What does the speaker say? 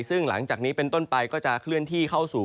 ซึ่งหลังจากนี้เป็นต้นไปก็จะเคลื่อนที่เข้าสู่